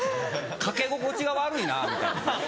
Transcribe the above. かけ心地が悪いなみたいな。